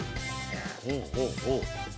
ほうほうほう。